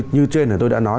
như trên này tôi đã nói